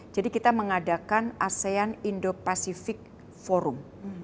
jadi kita mengadakan asean indo pacific forum